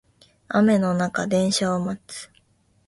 雨の中電車を待つ